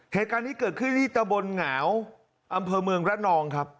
เหตุการณ์นี้เกิดขึ้นที่ตะบนเหงาวอำเภอเมืองระนองครับ